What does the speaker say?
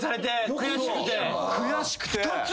悔しくて。